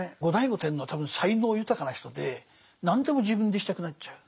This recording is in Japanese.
後醍醐天皇は多分才能豊かな人で何でも自分でしたくなっちゃう。